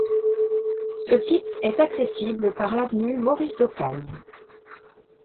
Ce site est accessible par l'avenue Maurice-d'Ocagne.